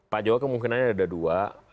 pak jokowi kemungkinannya ada dua